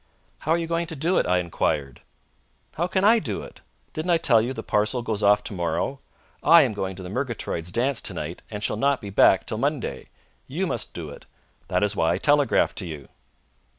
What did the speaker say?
"How are you going to do it?" I enquired. "How can I do it? Didn't I tell you the parcel goes off to morrow? I am going to the Murgatroyds' dance to night and shall not be back till Monday. You must do it. That is why I telegraphed to you."